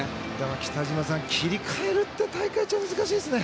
北島さん、切り替えるって大会中、難しいですね。